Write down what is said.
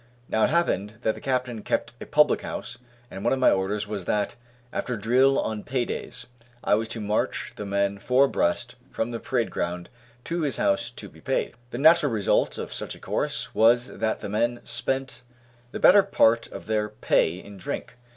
Now it happened that the captain kept a public house, and one of my orders was that, after drill on pay days, I was to march the men four abreast from the parade ground to his house to be paid. The natural result of such a course was that the men spent the better part of their pay in drink.